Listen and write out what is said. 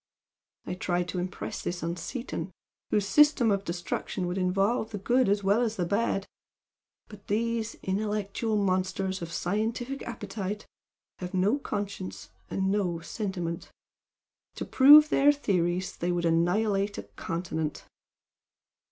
I tried to impress this on Seaton, whose system of destruction would involve the good as well as the bad but these intellectual monsters of scientific appetite have no conscience and no sentiment. To prove their theories they would annihilate a continent."